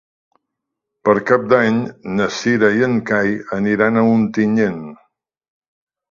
Per Cap d'Any na Cira i en Cai aniran a Ontinyent.